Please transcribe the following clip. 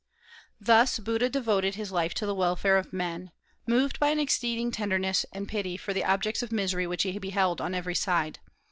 Thus Buddha devoted his life to the welfare of men, moved by an exceeding tenderness and pity for the objects of misery which he beheld on every side.